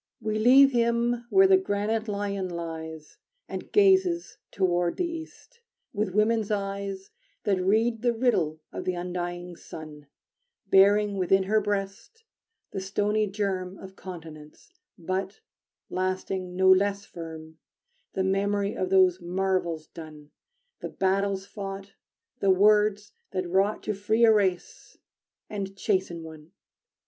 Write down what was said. We leave him where the granite Lion lies And gazes toward the East, with woman's eyes That read the riddle of the undying sun, Bearing within her breast the stony germ Of continents, but lasting no less firm The memory of those marvels done, The battles fought, the words that wrought To free a race, and chasten one.